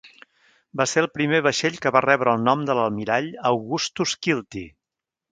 Va ser el primer vaixell que va rebre el nom de l'almirall Augustus Kilty.